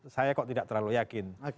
saya kok tidak terlalu yakin